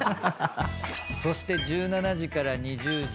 そして１７時から２０時。